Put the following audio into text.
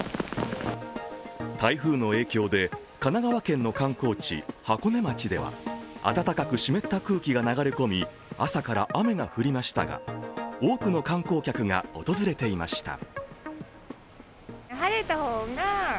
台風の影響で神奈川県の観光地・箱根町では暖かく湿った空気が流れ込み朝から雨が降りましたが多くの観光客が訪れていました。